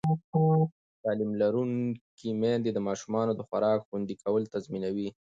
تعلیم لرونکې میندې د ماشومانو د خوراک خوندي کول تضمینوي.